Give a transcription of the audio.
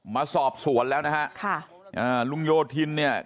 มาสอบสวนแล้วนะฮะค่ะอ่าลุงโยธินเนี่ย